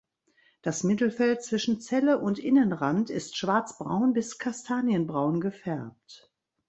Das Mittelfeld zwischen Zelle und Innenrand ist schwarzbraun bis kastanienbraun gefärbt.